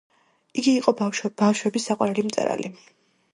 იგი იყო ბავშვების საყვარელი მწერალი.